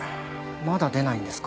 まだ出ないんですか？